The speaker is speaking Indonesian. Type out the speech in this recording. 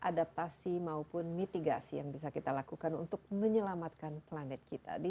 adaptasi maupun mitigasi yang bisa kita lakukan untuk menyelamatkan planet kita di